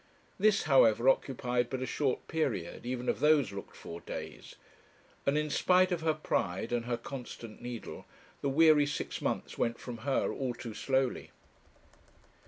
This, however, occupied but a short period, even of those looked for days; and in spite of her pride, and her constant needle, the weary six months went from her all too slowly.